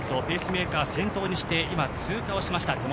ペースメーカー先頭にして通過しました。